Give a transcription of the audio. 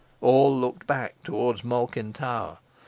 All looked back towards Malkin Tower.